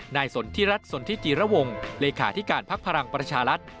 สนทิรัฐสนทิจิระวงเลขาธิการพักพลังประชารัฐ